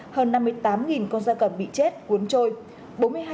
hơn năm mươi tám con da cầm bị chết cuốn trôi